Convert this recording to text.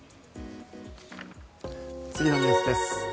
次のニュースです。